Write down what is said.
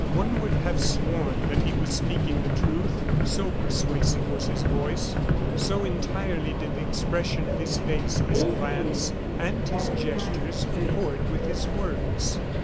One would have sworn that he was speaking the truth, so persuasive was his voice, so entirely did the expression of his face, his glance, and his gestures accord with his words.